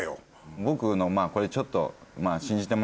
僕のまぁこれちょっと。